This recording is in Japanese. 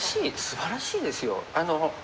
すばらしいですよ。